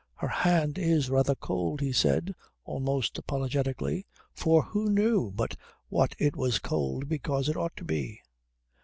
"Her hand is rather cold," he said, almost apologetically, for who knew but what it was cold because it ought to be?